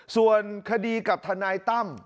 ส่วนคดีกับทนายตั้ม